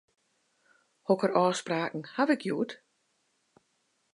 Hokker ôfspraken haw ik hjoed?